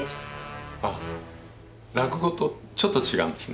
あ落語とちょっと違うんですね。